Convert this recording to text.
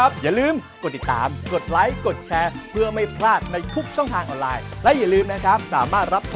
สวัสดีครับ